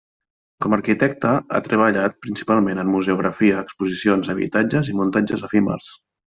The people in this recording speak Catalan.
Com arquitecte ha treballat principalment en museografia, exposicions, habitatges i muntatges efímers.